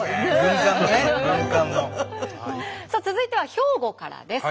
さあ続いては兵庫からです。